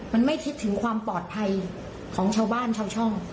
มันไม่คิดถึงความปลอดภัยของชาวบ้านชาวช่อง